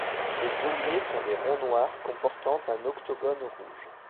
Les deniers sont des ronds noirs comportant un octogone rouge.